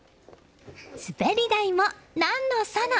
滑り台も何のその。